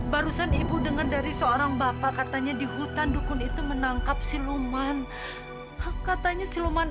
barusan ibu dengar dari seorang bapak katanya di hutan dukun itu menangkap siluman katanya siluman